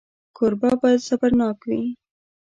کوربه باید صبرناک وي.